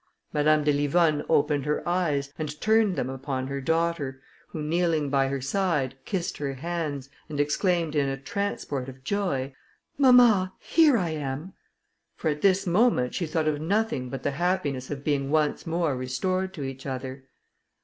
Madame de Livonne opened her eyes, and turned them upon her daughter, who kneeling by her side, kissed her hands, and exclaimed in a transport of joy, "Mamma, here I am;" for at this moment she thought of nothing but the happiness of being once more restored to each other.